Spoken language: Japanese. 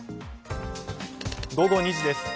午後２時です。